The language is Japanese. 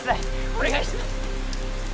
お願いします